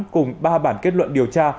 cùng ba bản kết luận điều tra